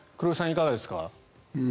いかがですか。